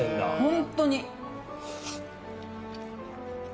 ホントに！